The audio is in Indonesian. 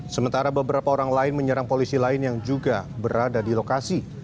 sementara beberapa orang lain menyerang polisi lain yang juga berada di lokasi